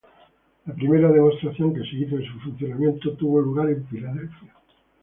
La primera demostración que se hizo de su funcionamiento tuvo lugar en Filadelfia.